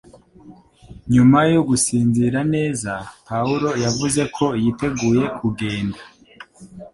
Nyuma yo gusinzira neza, Pawulo yavuze ko yiteguye kugenda